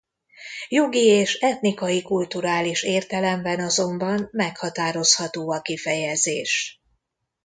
Jogi és etnikai-kulturális értelemben azonban meghatározható a kifejezés.